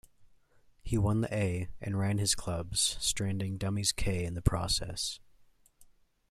He won the A and ran his clubs, stranding dummy's K in the process.